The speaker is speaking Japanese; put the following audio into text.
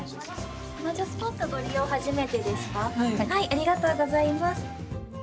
ありがとうございます。